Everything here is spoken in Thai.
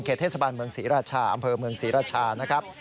เทศบาลเมืองศรีราชาอำเภอเมืองศรีราชานะครับ